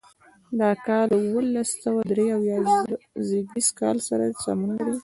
دا کال د اوولس سوه درې اویا زېږدیز کال سره سمون لري.